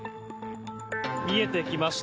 見えてきました。